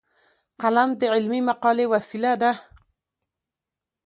قلم د علمي مقالې وسیله ده